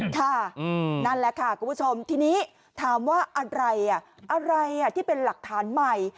ค่ะนั่นแหละค่ะคุณผู้ชมทีนี้ถามว่าอะไรอะไรที่เป็นหลักฐานใหม่